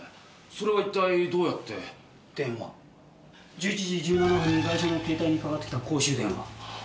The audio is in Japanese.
１１時１７分にガイシャの携帯にかかってきた公衆電話。